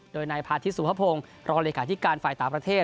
โดยในพาทธิสภพพงศ์รอเลขาที่การฝ่ายต่างประเทศ